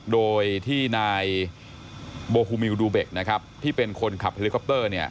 โดยที่นายโบฮูมิลดูเบคที่เป็นคนขับเฮลิคอปเตอร์